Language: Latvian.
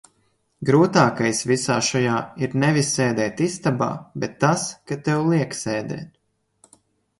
Grūtākais visā šajā ir nevis sēdēt istabā, bet tas, ka tev liek sēdēt.